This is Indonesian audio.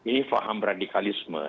ini faham radikalisme